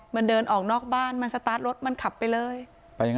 มันเดินออกนอกบ้านมันสตาร์ทรถมันขับไปเลยไปยังไง